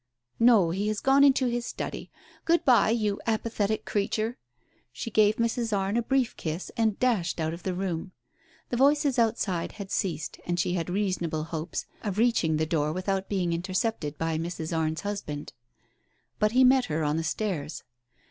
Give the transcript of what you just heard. "No; he has gone into his study. Good bye, you Digitized by Google 104 TALES OF THE UNEASY apathetic creature I " She gave Mrs. Arne a brief kiss and dashed out of the room. The voices outside had ceased, and she had reasonable hopes of reaching the door without being intercepted by Mrs. Arne's husband. But he met her on the stairs.